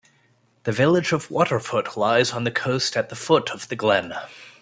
The village of Waterfoot lies on the coast at the foot of the glen.